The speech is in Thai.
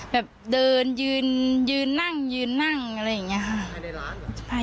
แบบเดินยืนยืนนั่งยืนนั่งอะไรอย่างนี้ค่ะ